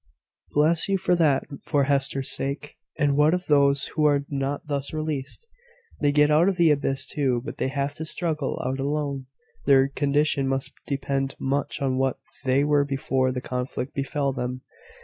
"Bless you for that, for Hester's sake! And what of those who are not thus released?" "They get out of the abyss too; but they have to struggle out alone. Their condition must depend much on what they were before the conflict befell them.